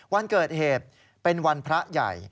วันเกิดเหตุเป็นวันพระใหญ่